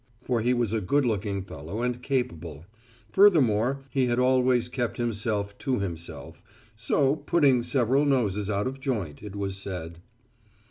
For he was a good looking fellow and capable; furthermore, he had always kept himself to himself, so putting several noses out of joint, it was said.